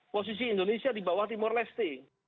posisi indonesia di bawah timor leste